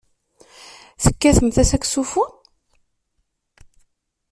Tekkatemt asaksufun?